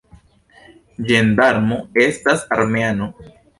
Ĝendarmo estas armeano.